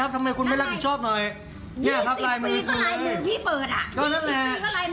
พี่ทำไมต้องรับผิดชอบที่ก็กินมันเดือนเท้าอ่ะ